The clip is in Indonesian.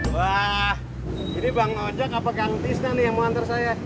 wah ini bang ojek apa yang tista nih yang mau antar saya